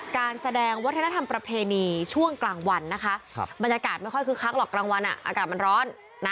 การแสดงวัฒนธรรมประเพณีช่วงกลางวันนะคะบรรยากาศไม่ค่อยคึกคักหรอกกลางวันอากาศมันร้อน